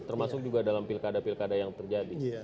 termasuk juga dalam pilkada pilkada yang terjadi